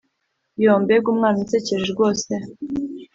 Yoo mbega umwana unsekeje rwose